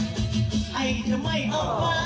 ใครจะไม่ออกมา